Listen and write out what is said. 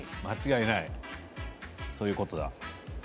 間違いないそういうことだ。